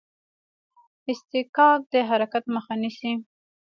اصطکاک د حرکت مخه نیسي.